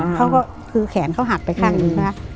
เขาก็คือแขนเขาหักไปข้างหนึ่งใช่ไหม